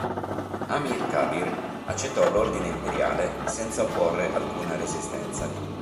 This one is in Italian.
Amir Kabir accettò l'ordine imperiale senza opporre alcuna resistenza.